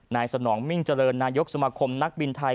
สนองมิ่งเจริญนายกสมาคมนักบินไทย